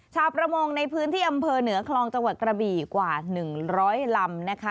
ชาวประมงในพื้นที่อำเภอเหนือคลองจังหวัดกระบี่กว่า๑๐๐ลำนะคะ